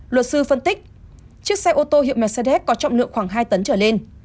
luật sư phân tích chiếc xe ô tô hiệu mercedes có trọng lượng khoảng hai tấn trở lên